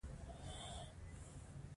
په دې کې د اومو موادو ارزښت هم شامل دی